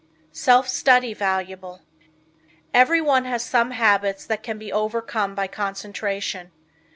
Self Study Valuable. Everyone has some habits that can be overcome by concentration.